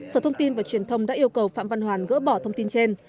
sở thông tin và truyền thông đã yêu cầu phạm văn hoàn gỡ bỏ thông tin trên